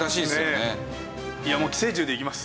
いやもう『寄生獣』でいきます。